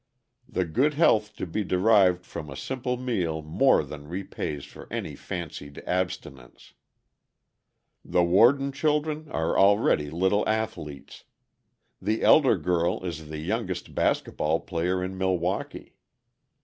The good health to be derived from a simple meal more than repays for any fancied abstinence.' "The Worden children are already little athletes. The elder girl is the youngest basket ball player in Milwaukee.